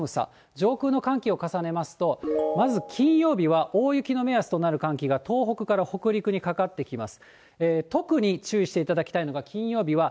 上空の寒気を重ねますと、まず、金曜日は大雪の目安となる寒気が東北から北陸にかかってきます。